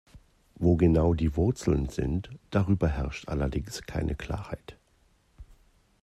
Wo genau die Wurzeln sind, darüber herrscht allerdings keine Klarheit.